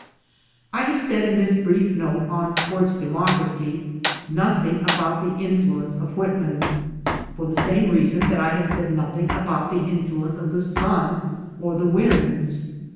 I have said in this brief note on "Towards Democracy" nothing about the influence of Whitman — for the same reason that I have said nothing about the influence of the sun or the winds.